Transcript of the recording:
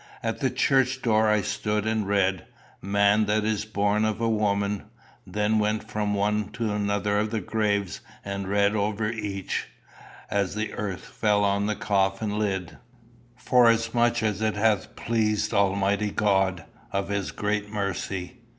At the church door I stood and read, "Man that is born of a woman;" then went from one to another of the graves, and read over each, as the earth fell on the coffin lid, "Forasmuch as it hath pleased Almighty God, of his great mercy."